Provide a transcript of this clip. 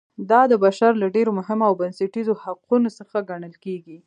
دا د بشر له ډېرو مهمو او بنسټیزو حقونو څخه ګڼل کیږي.